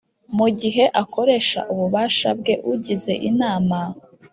Mu gihe akoresha ububasha bwe ugize Inama